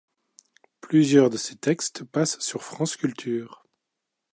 Plusieurs de ses textes passent sur France Culture.